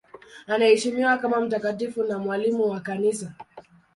Anaheshimiwa kama mtakatifu na mwalimu wa Kanisa.